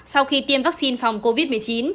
sau khi tiêm vaccine phòng covid một mươi chín